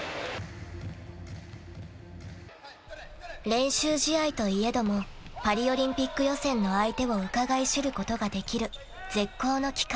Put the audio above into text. ［練習試合といえどもパリオリンピック予選の相手をうかがい知ることができる絶好の機会］